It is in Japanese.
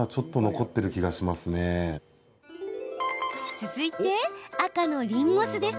続いて赤のりんご酢です。